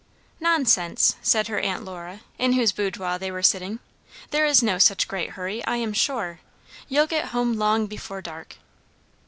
"Nonsense!" said her Aunt Lora in whose boudoir they were sitting, "there is no such great hurry, I am sure. You'll get home long before dark."